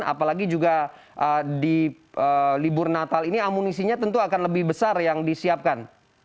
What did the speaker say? apalagi juga di libur natal ini amunisinya tentu akan lebih besar yang disiapkan